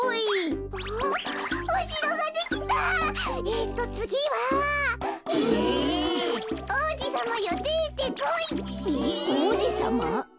えっおうじさま？